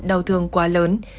đau thương quá lớn